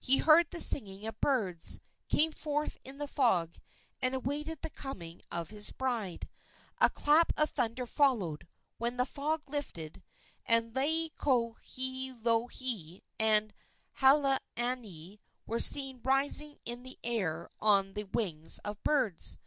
He heard the singing of birds, came forth in the fog, and awaited the coming of his bride. A clap of thunder followed, when the fog lifted, and Laielohelohe and Halaaniani were seen rising in the air on the wings of birds.